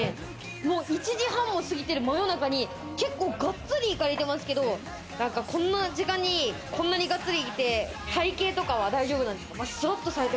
１時半を過ぎている真夜中に結構ガッツリ行かれてますけど、こんな時間に、こんなにガッツリいって体形とかは大丈夫なんですか？